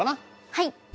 はい。